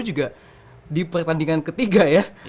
juga di pertandingan ketiga ya